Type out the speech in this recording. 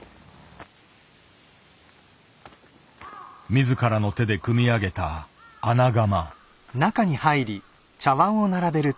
自らの手で組み上げた「穴窯」。